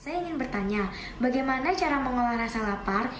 saya ingin bertanya bagaimana caranya pengelolaan rasa lapar